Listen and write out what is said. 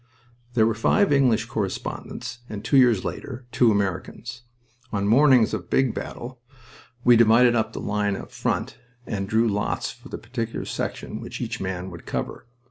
There were five English correspondents and, two years later, two Americans. On mornings of big battle we divided up the line of front and drew lots for the particular section which each man would cover.